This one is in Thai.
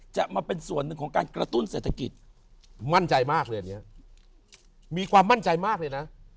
จะมาเป็นส่วนหนึ่งของการกระตุ้นเศรษฐกิจมั่นใจมากเลยอันนี้มีความมั่นใจมากเลยนะ